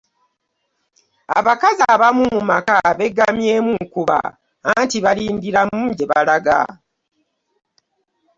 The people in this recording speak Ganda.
Abakazi abamu mu maka beggamyemu nkuba anti balindiramu gye balaga.